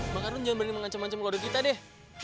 bang ardun jangan berani mengancam mancam kode kita deh